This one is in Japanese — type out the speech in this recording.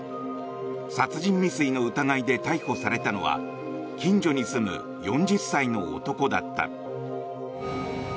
殺人未遂の疑いで逮捕されたのは近所に住む４０歳の男だった。